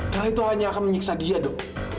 karena itu hanya akan menyiksa dia do